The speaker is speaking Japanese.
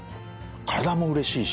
体もうれしいし。